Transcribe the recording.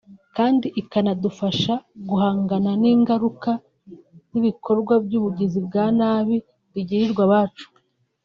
kandi ikanadufasha guhangana n’ingaruka z’ibikorwa by’ubugizi bwa nabi bigiriwa abacu